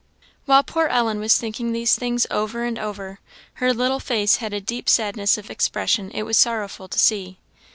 While poor Ellen was thinking these things over and over, her little face had a deep sadness of expression it was sorrowful to see.